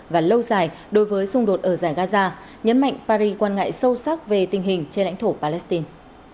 và lâu dài đối với xung đột ở giải gaza nhấn mạnh paris quan ngại sâu sắc về tình hình trên lãnh thổ palestine